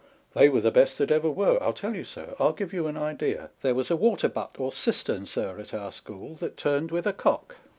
They were the best that ever were. I'll tell you, sir, I'll give you an idea. There was a water butt or cistern, sir, at our school, that turned with a cock.